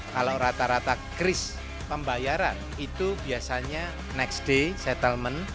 kalau rata rata kris pembayaran itu biasanya next day settlement